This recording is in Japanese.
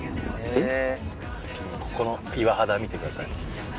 ここの岩肌見てください。